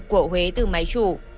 của huế từ máy chủ